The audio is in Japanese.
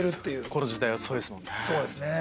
この時代はそうですもんね。